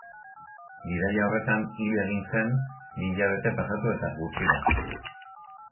Bidaia horretan hil egin zen bi hilabete pasatu eta gutxira.